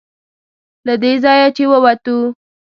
له دې ځایه چې ووتو.